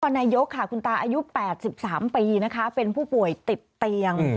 นายกค่ะคุณตาอายุ๘๓ปีนะคะเป็นผู้ป่วยติดเตียง